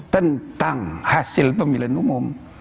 tentang hasil pemilihan umum